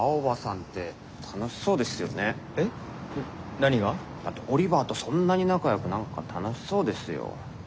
何が？だってオリバーとそんなに仲よく何か楽しそうですよ。